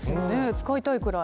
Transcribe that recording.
使いたいくらい。